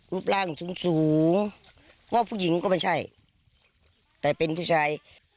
รูปร่างสูงสูงเพราะผู้หญิงก็ไม่ใช่แต่เป็นผู้ชาย